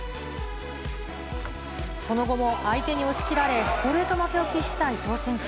その後も相手に押し切られ、ストレート負けを喫した伊藤選手。